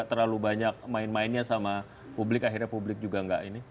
terlalu banyak main mainnya sama publik akhirnya publik juga nggak ini